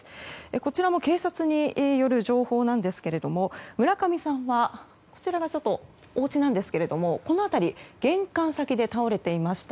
こちらは警察による情報なんですけれども村上さんはこちら、おうちなんですが玄関先で倒れていました。